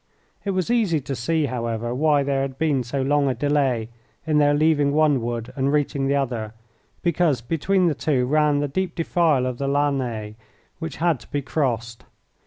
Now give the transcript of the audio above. It was easy to see, however, why there had been so long a delay in their leaving one wood and reaching the other, because between the two ran the deep defile of the Lasnes, which had to be crossed.